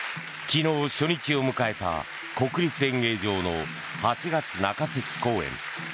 昨日初日を迎えた国立演芸場の８月中席公演。